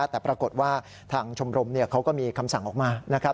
แต่ปรากฏว่าทางชมรมเขาก็มีคำสั่งออกมานะครับ